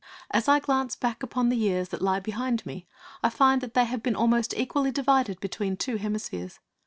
As I glance back upon the years that lie behind me, I find that they have been almost equally divided between two hemispheres.